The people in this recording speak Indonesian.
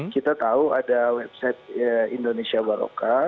kita tahu ada website indonesia baroka